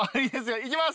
いきます！